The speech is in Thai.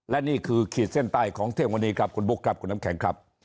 และนี่คือขีดเส้นใต้ของเที่ยงวันนี้ครับคุณบุ๊คครับคุณน้ำแข็งครับ